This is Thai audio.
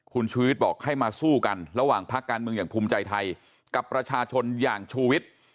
คุณชูวิทย์บอกให้มาสู้กันระหว่างพักการเมืองอย่างภูมิใจไทยกับประชาชนอย่างชูวิทย์